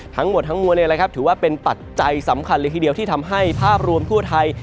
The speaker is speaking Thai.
ทั้งหมดทั้งมวลถือว่าเป็นปัจจัยสำคัญเลยทีเดียวที่ทำให้ภาพรวมทั่วไทย